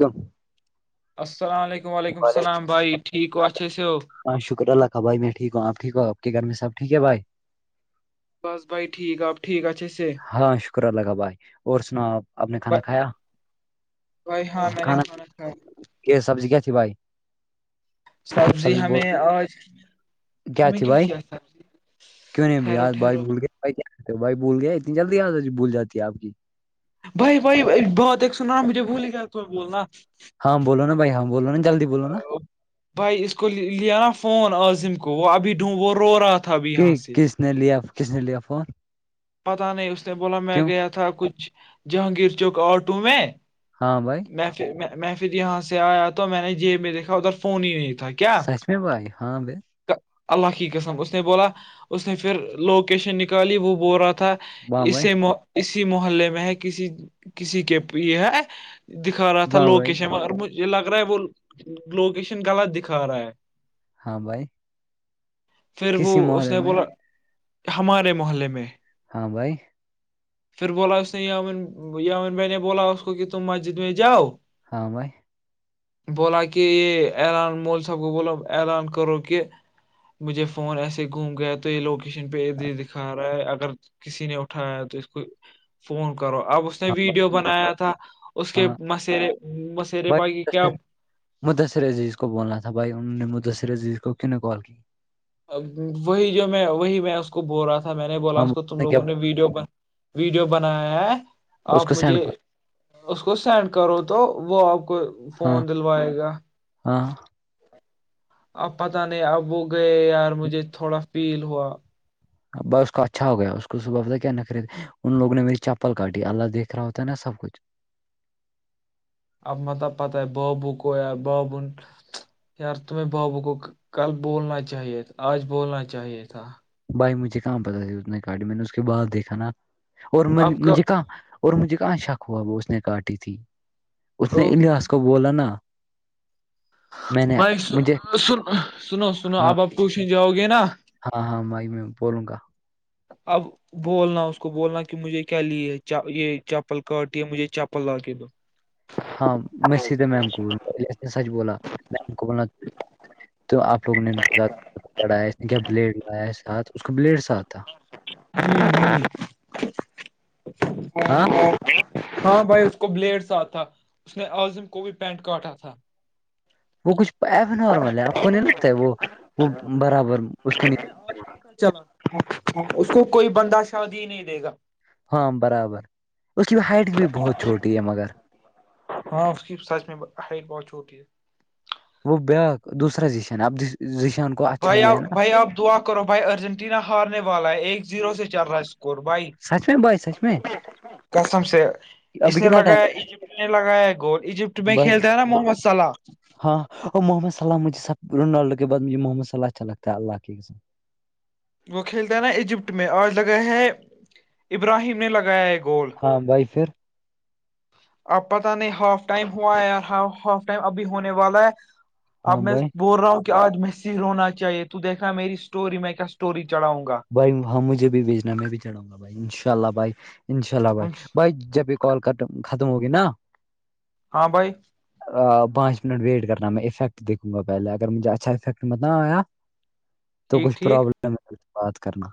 ام [unintelligible] السلام علیکم و علیکم السلام بھائی ٹھیک کو السلام اچھا سے ہو ہاں شکر اللہ کا بھائی میں ٹھیک ہوںپ ٹیک ہ ہوپ کے گھر میں سبٹیک ہے بھائی بس بھائی ٹھیک آپ ٹھیک اچھاے ہاں شکر اللہ بھائی اور سناؤ آپ آپ نے ب- کھانا کھایا بھائی ہاں میں نے کھانا کھا یہ سبزی کیا تھی بائی سبزی ہمیں آج ہمیں کیا کیا سبزی ٹھہرو بیاج بھائی ٹھہرو بھول گیا بائی کیا کرتے ہو بائی بھول گیا اتنی جلدی بھول جاتی آپ کی بھائی بھائی بات ایک سنا رہا مجھے بھولی گ تھ بولنا ہاں بولو نا بائی ہاں بولو ن جلدی بولو ن بھائی اس کو لیا نا فون عظم کو وہ ابھی ڈھون وہ رو رہا تھا ابھی یہاں سے کس نے لیا کس نے لیا فون پتا نہیں اس نے بولا میں کیوں گیا تھا کچھ جہانگیر چوک آٹو میں ہاں بھائی میں پھر میں پھر یہاں سے آیا تو میں نے جیب میں دیکھا ادھر فون ہی نہیں تھا کیا سچمی بھائی ہاں اللہ کی قسم اس نے بولا اس نے پھر لوکیشن نکالی وہ بول رہا تھا واہ بھائی اسی م اسی محلے میں ہے کسی کسی کے یہ ہے دکھا رہا تھا واہ بھائی لوکیشن اور مجھے لگ رہا ہے وہ لوکیشن غلط دکھا رہا ہے ہاں بھائی پھر وہ کسی اس محرے نے میں بولا ہمارے محلے میں ہاں بھائی پھر بولا اس نے یامن یامن بہ نے بولا اس کو کہ تم مسجد میں جاؤ ہاں بھائی بولا کہ یہ الان مول سب کو بولاو الان کرو کہ مجھے فون ایسے گھوم گیا تو یہ لوکیشن پہ ا ہاں دکھا رہا ہے اگر کسی نے اٹھایا تو اس کو فون کرو اب اس اس نے ویڈیو بھائی، بنایا تھا اس کے ہاں مسیرے مسیرے باقی کیا بھائی مدثر عیز کو بولنا تھا بھائی انہوں نے مدثر عزیز کو کیوں نے کال کی وہی جو میں وہی میں اس کو بول رہا تھا میں نے بولا ہم اس کو تم کیا لوگوں نے بولا؟ ویڈیو بنا ویڈیو بنایا ہے اس آپ کو سینڈ مجھے کر اس کو سینڈ کرو تو وہ آپ کو ہاں فون دلوائے گا ہاں اب پتہ نہیں اب وہ گئے یار مجھے تھوڑا فیل ہوا بائی اس کو اچھا ہو گیا اس کو صبح بتا کیا نہ خرید ان لوگوں نے میری چپل کاٹی اللہ دیکھ رہا ہوتا نا سب کچھ پ مطلب پت آئے بابو کویا بابن یار تمہیں بابو کو کل بولنا چاہیے آج بولنا چاہیے تھا بھائی مجھے کہاں پہ تھا اتنے کاڑی میں نے اس کے بعد دیکھا نا اور آپ کا مجھے کہاں اور مجھے کہاں شک ہوا وہ اس نے کاٹی تھی اس نے تو الیاس کو بولا نا میں نے بھائی س مجھے سن سنو سنو ہاں اب آپ کووچھیں جاؤ گے نا ہاں ہاں مائی میں بولوں گا اب بولنا اس کو بولنا کہ مجھے کیا لی ہے یہ چپل کاٹی ہے مجھے چپل لا کے دو [inaudible] ہاں میں سیدھے میم کوول سچ بولا میم کو بولنا تو آپ لوگوں نے ان کو زیادہ چڑھایا کیا بلیڈ لایا ہے ساتھ اس کو بلیڈ ساتھ تھا ہوں ہاں ہاں ہاں بھائی اس کو بلیڈس آ تھا اس نے عظم کو بھی پینٹ کاٹا تھا وہ کچھ ایب نارمل ہے آپ کو نہیں لگتا ہے وہ وہ برابر اس کو نہیں اس کو کوئی بندہ شاد ہی نہیں دے گا ہاں برابر اس کی ہائٹ بھی بہت چھوٹی ہے مگر ہاں اس کی سچ میں ہ بہت چھوٹی ہے وہ بیایک دوسرا یشنبش بھائی آپ بھائی آپ دعا کرو بھائی ارجنٹینا ہارنے والا ہے ایک زیرو سے چل رہا ہے اسکور بھائی کو سچ میں کسم سے اس ابھی نے کتنا لگایا ٹائم ایجپٹ نے لگایا گول ایجپٹ میں ب کھیلتا ہے نا محمد صلا ہاں اور محمدسلہ مجھے س رونالڈو کے بعدجھ محمد صلہ اچھا لگتا اللہ کے وہ کھیلتا ہے نا ایجپٹ میں اور جگہ ہے ابراہیم نے لگایا ایک ہاں بھائی پھر اب پت نہیں ہاف ٹائم ہوا ہے ی ہاف ٹائم اب ہونے والا ہے ہاں اب میں بھائی بول رہا ہوں کہ آج محصر رونا چاہیے تو دیکھا میری اسٹوری میں کیا اسٹوری چڑھاں گا بھائی ہاں مجھے بھیجنا میں بھی چڑاوں گا بھائی ان شاء اللہ بھائی ان شاء اللہ بھائی بھائی جب ایک کال کر ختم ہوگی نا ہاں بھائی پانچ منٹ ویٹ کرنا میں افیکٹ دیکھوں گا پہلے اگر مجھے اچھا افیکٹ مت نہ آیا [inaudible] تو کچھ ٹھیک پرابلم ہے بات کرنا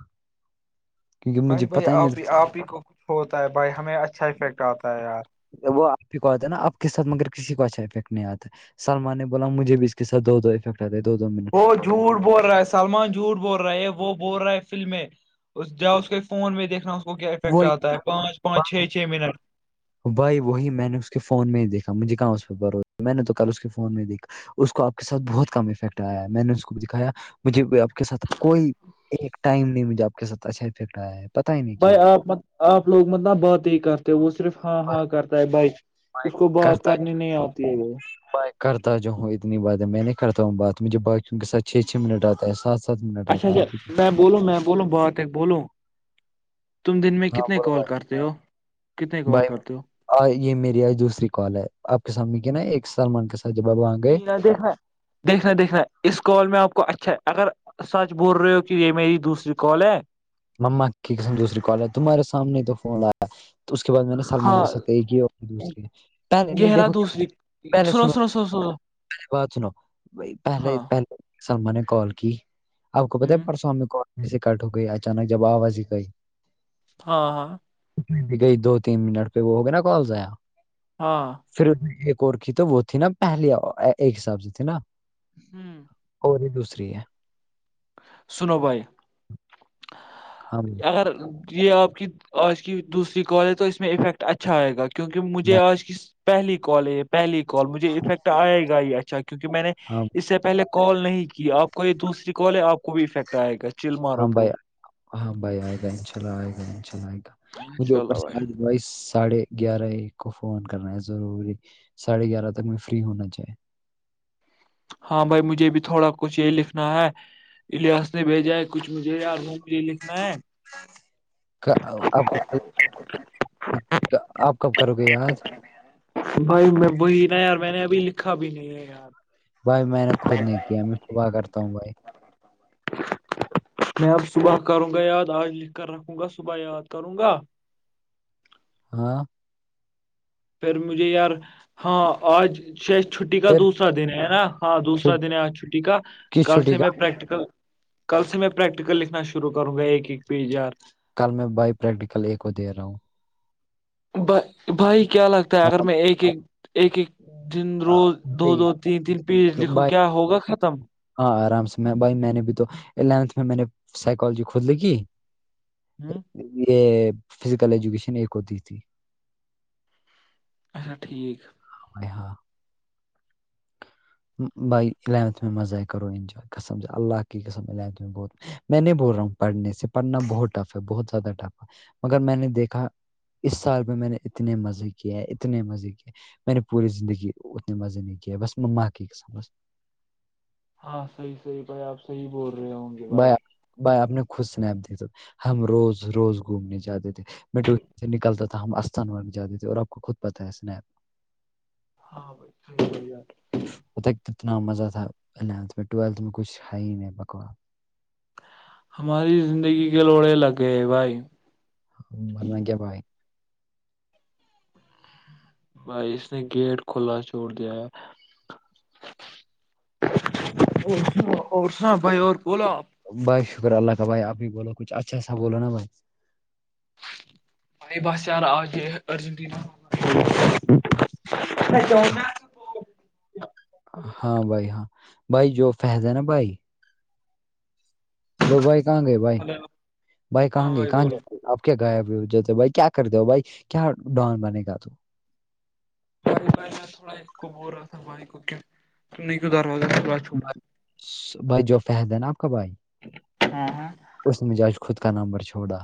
کیونکہ بھائی مجھے بھائی پتا آپ ہی نہیں آپ ہی کو کچھ ہوتا ہے بھائی ہمیں اچھا افیکٹ آتا ہے یار وہ آپ ہی کو آتا ہے نا آپ کے ساتھ مگر کسی کو اچھا افیکٹ نہیں آتا سلمان نے بولا مجھے بھی اس کے ساتھ دو افیکٹ آتے دو منٹ وہ جھوٹ بول رہا ہے سلمان جھوٹ بول رہا ہے وہ بول رہا ہے فلمیں اس جا اس کے فون میں دیکھنا اس کو کیا افیکٹ وہ آتا ہے پانچ پانچ چھ چھ منٹ بھائی وہی میں نے اس کے فون میں ہی دیکھا مجھے کہاں اس پہ بوسہ میں نے تو کل اس کے فون میں دیکھا اس کو آپ کے ساتھ بہت کم افیکٹ آیا ہے میں نے اس کو دکھایا مجھے آپ کے ساتھ کوئی ایک ٹائم نہیں مجھے آپ کے ساتھ اچھافیکٹ آیا ہے پتا ہی نہیں بھائی کیوں آپ لوگ مطلب بات ہی کرتے وہ صرف ہاں بھائی ہاں کرتا ہے بائک کرتا ہوتی ہے وہ کرتا جو ہوں اتنی بات ہے میں نہیں کرتا ہوں بات مجھے باقیوں کے ساتھ چھ چھ منٹ آتا ہے ساتھ اچھا اچھا میں بولوں میں بولوں باتک بولو تم دن میں ہاں کتنے بولو کال بھائی کرتے ہو کتنے کال بھائی کرتے ہو آ یہ میری آج دوسری کال ہے آپ کے سامنے کی نا ایک سلمان کے سھ سج بابا جیا د ہ دیکھنا دیکھنا اس کال میں آپ کو اچھا ہے اگر سچ بول رہے ہو کہ یہ میری دوسری کال ہے مما کیسم د دوسری کال ہے تمہارے سامنے تو فون آ تو اس کے بعد میں نے سلمان ہاں کے ساتھ ایک اور دوسے پہلے نہیں دیکھو سرو سرو سرو سرو چ ن ب پےل ہاں سرما نے کال کی آپ کو پتا ہوں پرسوامی کال سے کٹ ہو گئی اچانک جب آواز آئی ہاں ہاں ک بھی گئی دو تین منٹ پہ وہ ہو گیا نا کال یا ہاں پھر اس میں ایک اور کیھی تو وہ تھی نا پہلی ایک حساب سے تھی نا ہاں اوری دوسری ہے سنو بائے ہاں اگر یہ آپ کی آج کی دوسری کال ہے تو اس میں افیکٹ اچھا اچھا آئے گا کیونکہ مجھے بھائی، آج کی پہلی کال ہے یہ پہلی کال مجھے افیکٹ آئے گا ہی اچھا کیونکہ میں نے ہاں اس سے پہلے کال نہیں کی آپ کو یہ دوسری کال ہے آپ کو بھی افیکٹ آئے گا چل مارو ہاں برو بھائی ہاں بھائی آئے گا ان شاء اللہ آئے گا ان شاءلہ آ گا مجھے انشاء اوپر اللہ بھائی سے آج بائیس ساڑھے گیارہ ایک کو فون کرنا ہے ضروری ساڑھے گیارہ تک میں فری ہونا چاہ ہاں بھائی مجھے بھی تھوڑا کچھ یہ لکھنا ہے احاس نے بھیجا ہے کچھ مجھے ی وہ مجھے لکھنا ہے آپ کو آپ کب کرو گے یاد بھائی میں وہی نا یار میں نے ابھی لکھا بھی نہیں ہے یار بھائی میں نے خود نہیں کیا میں صبح کرتا ہوں بھائی میں اب صبح کروں گا یاد آج لکھ کر رکھوں گا صبح یاد کروں گا ہاں پھر مجھے یار ہاں آج چھٹی کا پھر دوسرا دن ہے ہے نا ہاں دوسا چھٹ- دن چھٹی کا کس کل چھٹی سے کا میں پریکٹیکل کل سے پریکٹیکل لکھنا شروع کروں گا ایک ایک پیج یار کل میں بائی پریکٹیکل ایک کو دے رہا ہوں بھ بھائی کیا لگتا ہے اگر ہاں، میں ایک ایک ایک ایک دن آ، روز دو بھائی دو تین تین پیج لکھو بھائی کیا ہوگا ختم ہاں آرام سے میں بھائی میں نے بھی تو الیونتھ میں میں نے سائیکالوجی کھود لی کی ہاں یہ فزیکل ایجوکیشن ایک ہوتی تھی اچھا ٹھیک ب ہاں بائی الیونتھ میں مز آئیئے کرو ان انجوائے سم سے اللہ کی قسم میں نہیں بول رہا ہوں پڑھنے سے پڑھنا بہت ٹف ہے بہت زیادہ ٹف ہے مگر میں نے دیکھا اس سال پہ میں نے اتنے مزے کیے اتنے مزے کیے میں نے پوری زندگی اتنے مزے نہیں کیا بس میں ماں کی س بس ہاں صحیحیح بھائی آپ صحیح بول رہے ہوں گے بھائی بھائی آپ نے خود سنیپ د ہم روز روز گھومنے جاتے تھے میں ڈ سے نکلتا تھا ہم آستھان و جاتے تھے اور آپ کو خود پتہ ہے اسپ ہاں بھائی صحیح صی ات ا کتنا مزہ تھا اتھ میں ٹویلتھ میں کچھ ہے ہی نہیں بکوا ہماری زندگی کے لوڑے لگ گئے بھائی ہاں مرنا کیا بھائے بھائی اس نے گیٹ کھلا چھوڑ دیا ہے بھائی اور بولا بھائی شکر اللہ کا بھائیپ بھی بول کچھ اچھا سا بولو نا بھائی بائی بس یار آججے ارجنٹینا ہاں بھائی ہاں بھائی جو فہد ہے نا بھائی ہلو بھائی کہاں گئے بھائی ہلو بھائی ہاں کہاں گے کہاں بولو جائ گ آپ کیا گیا بھی بھائی کیا کرتے ہو بھائی کیا ڈان بنے گا تو ب میں تھوڑا اس کو بول رہا تھا بھائی کو کیوں کیوں دروازہ [unintelligible] بھائی جو فد ہے ن آپ کا بھائی ہاں ہاں اس نے مجھے آج خود کا نمبر چھوڑا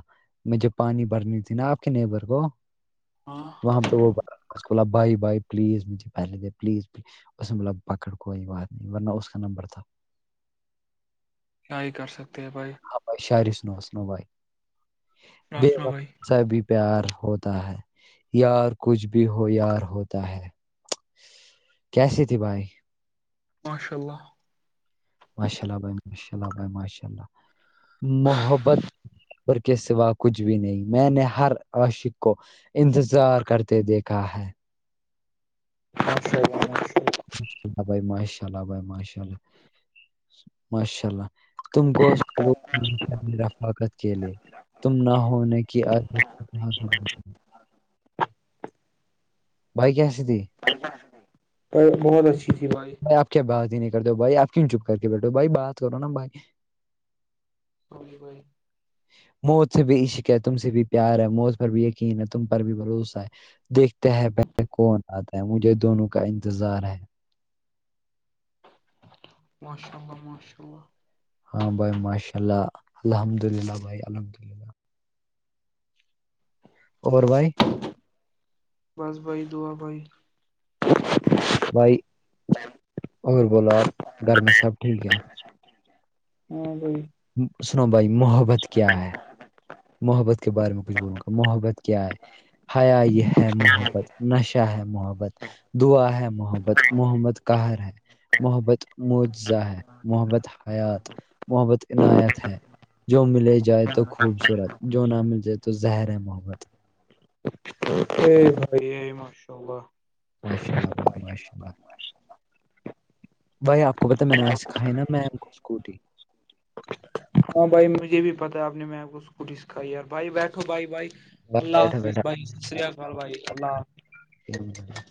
مجھے پانی بھرنی تھی نا آپ کے نیبر کو ہاں اس بائے بائے پلیز مجھے پہلے دے پلیز پز اسے ب پکڑ کوئی بات نہیں ورنہ اس کا نمبر تھا کیا ہی کر سکتے ہیں بھائی ہاں بھ شارس ن ن بھائی راسنا بھائی [unintelligible] پیار ہوتا ہے یا کچھ بھی ہو یار ہوتا ہے کیسی تھی بھائی ماشاء اللہ ماشاء اللہ بھائی ماشاء اللہ بھائی ماشاء اللہ محبت پر کے سوا کچھ بھی نہیں میں نے ہر عشق کو انتظار کرتے دیکھا ہے ہ سےر سے [unintelligible] [unintelligible] ماشاءلہ بھائی ماشاء اللہ بھائی ماشاء اللہ ماشاء اللہ تم کو رفاقت کے لی [unintelligible] تم نہ ہونے کی عت بھائی کیسی تھی بہت اچھی تھی بھائی [unintelligible] کیا بات ہی نہیں کرتے ہو بھائی آپ کیوں چپ کر کے بیٹھو بھائی بات کرو نا بھائی ہوی بئی [unintelligible] [unintelligible] موت سے بھی عشق ہے تم سے بھی پیار ہے موت پر بھی یقین ہے تم پر بھی بھروسہ ہے دیکھ تہ بہ کون آتا ہے مجھے دونوں کا انتظار ہے ماشاء اللہ ماشاء اللہ ہاں بھائی ماشاء اللہ الحمد للہ بھائی الحمد للہ اور بھائی بس بھائی دعا بھائی بھائی اور بولو آپ گھر میں سب ٹھیک ہیں ہاں جی سنو بھائی محبت کیا ہے محبت کے بارے میں کچھ بولوں گا محبت کیا ہے حیا یہ ہے محبت نشہ ہے محبت دعا ہے محبت محمد کا ہے محبت مجزا ہے محبت حیات محبت عنایت ہے جو ملے جائے تو خوبصورت جو نہ مل جائے تو زہر محبت ا بھائی یہ ماشاء اللہ [unintelligible] ماشاء اللہ بھائی ماشاء اللہ دعائیں اپ کو پتہ ہے میں نے اج کھائے نا میں سکوٹی ہاں بھائی مجھے بھی پتا ہے آپ نے میں کو اسکوٹی سکھائی یار بھائی بیٹھو بھائی بھائی اللہ بیٹھا حافظ بھائی ستریحال بیٹھا بھائی اللہ حفظ [unintelligible] [unintelligible]